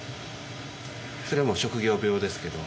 それもう職業病ですけど。